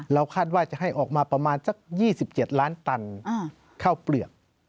คาดว่าจะให้ออกมาประมาณสัก๒๗ล้านตันข้าวเปลือก